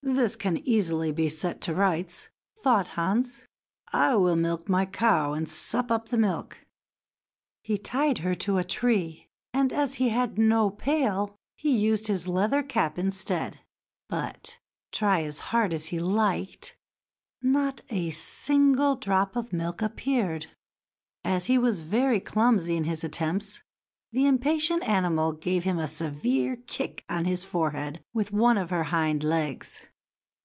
"This can easily be set to rights," thought Hans. "I will milk my cow and sup up the milk." He tied her to a tree, and as he had no pail, he used his leather cap instead; but, try as hard as he liked, not a single drop of milk appeared. As he was very clumsy in his attempts, the impatient animal gave him a severe kick on his forehead with one of her hind legs.